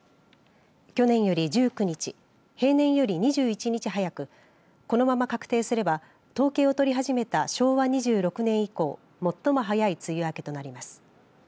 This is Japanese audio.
去年より１９日平年より２１日早くこのまま確定すれば統計を取り始めた昭和２６年以降最も早い梅雨明けとなります。